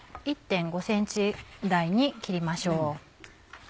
１．５ｃｍ大に切りましょう。